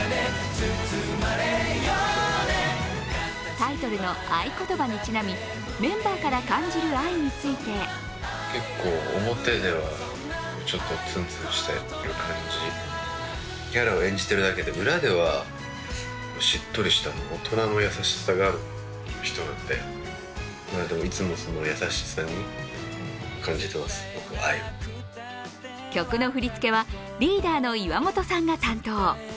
タイトルの「あいことば」にちなみ、メンバーから感じる愛について曲の振り付けはリーダーの岩本さんが担当。